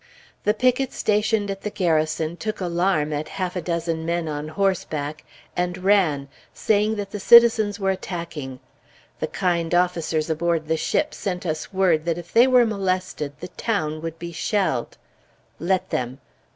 The picket stationed at the Garrison took alarm at half a dozen men on horseback and ran, saying that the citizens were attacking. The kind officers aboard the ship sent us word that if they were molested, the town would be shelled. Let them!